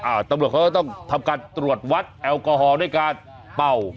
ตำรวจเขาก็ต้องทำการตรวจวัดแอลกอฮอล์ด้วยการเป่า